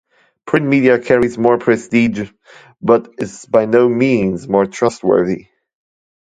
Print media carries more prestige but is by no means more trustworthy.